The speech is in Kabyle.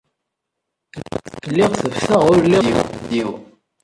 Lliɣ tebteɣ ul lliɣ d abeddiw.